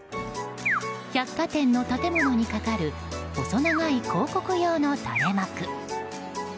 百貨店の建物にかかる細長い広告用の垂れ幕。